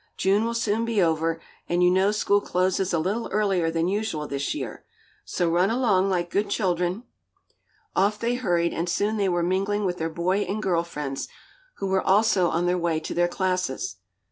June will soon be over, and you know school closes a little earlier than usual this year. So run along, like good children." Off they hurried and soon they were mingling with their boy and girl friends, who were also on their way to their classes.